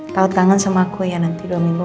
tahu tangan sama aku ya nanti dua minggu gak ketemu aku